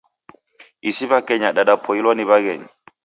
Isi w'akenya dadapoilwa ni w'aghenyi.